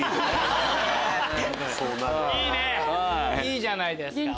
いいじゃないですか！